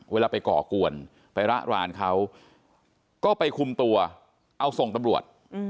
เวลาไปก่อกวนไประรานเขาก็ไปคุมตัวเอาส่งตำรวจ